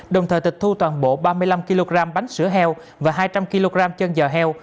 đồng thời tịch thu toàn bộ ba mươi năm kg bánh sữa heo và hai trăm linh kg chân giò heo